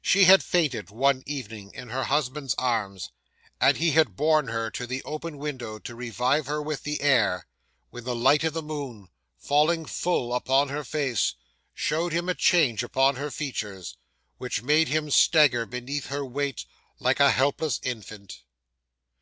'She had fainted one evening in her husband's arms, and he had borne her to the open window, to revive her with the air, when the light of the moon falling full upon her face, showed him a change upon her features, which made him stagger beneath her weight, like a helpless infant.